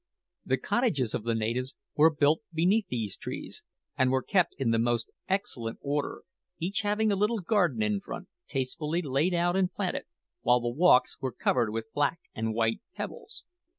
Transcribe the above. The cottages of the natives were built beneath these trees, and were kept in the most excellent order, each having a little garden in front, tastefully laid out and planted, while the walks were covered with black and white pebbles.